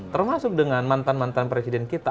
termasuk dengan mantan mantan presiden kita